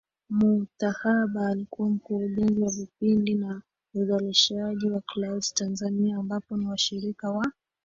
Mutahaba alikua Mkurugenzi wa vipindi na uzalishaji wa Clouds Tanzania ambao ni washirika wa